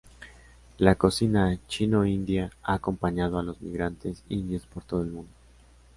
La cocina chino-india ha acompañado a los emigrantes indios por todo el mundo.